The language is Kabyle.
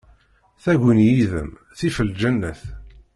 Taguni yid-m tif lǧennet.